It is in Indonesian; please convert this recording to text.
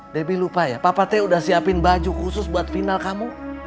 debbie lupa ya papa te udah siapin baju khusus buat final kamu